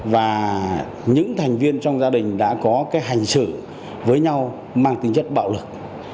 và những thành viên trong gia đình đã có cái hành xử với nhau mang tính chất bạo lực